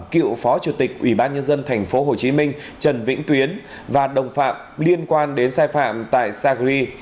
cựu phó chủ tịch ủy ban nhân dân tp hcm trần vĩnh tuyến và đồng phạm liên quan đến sai phạm tại sacri